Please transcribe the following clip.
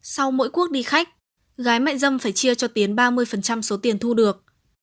sau mỗi quốc đi khách gái mạnh dâm phải chia cho tiến ba mươi số tiền thu được